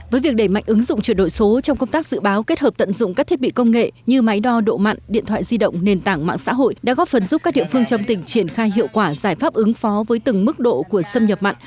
với việc đẩy mạnh ứng dụng chuyển đổi số trong công tác dự báo kết hợp tận dụng các thiết bị công nghệ như máy đo độ mặn điện thoại di động nền tảng mạng xã hội đã góp phần giúp các địa phương trong tỉnh triển khai hiệu quả giải pháp ứng phó với từng mức độ của xâm nhập mặn